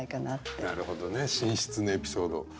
なるほどね寝室のエピソード。